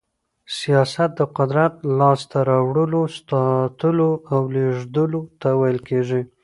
سياست د قدرت لاسته راوړلو، ساتلو او لېږدولو ته ويل کېږي.